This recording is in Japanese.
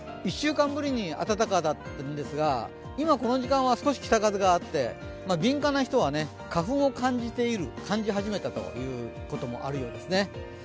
１週間ぶりに暖かだったんですけど今この時間は少し北風があって、敏感な人は花粉を感じている、感じ始めたということもあるようですね。